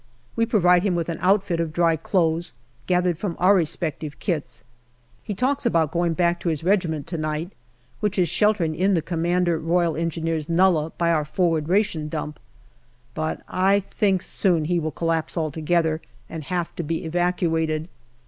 We provide him with an outfit of dry clothes, gathered from our respective kits. He talks about going back to his regiment to night, which is sheltering in the C.R.E. nullah, by our forward ration dump, but I think soon he will collapse altogether and have to be evacuated.